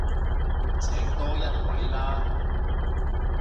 請多一位啦